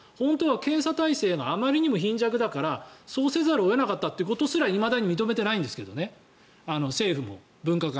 検査体制が貧弱だからそうせざるを得なかったということすらいまだに認めていないんですけどね